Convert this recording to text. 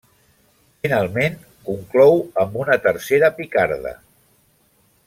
Finalment, conclou amb una tercera picarda.